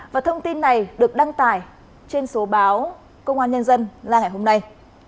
và thông tin này được đăng tải trên số báo công an nhân dân ra ngày hôm nay